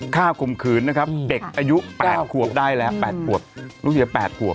ค่าคุมขืนนะครับเด็กอายุแปดขวบได้แหละแปดขวบลูกหญิงแปดขวบ